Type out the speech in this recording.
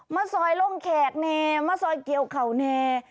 มาซอยลงแขกแน่มาซอยเกี่ยวเขาแน่